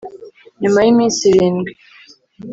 Nyuma y'iminsi irindwi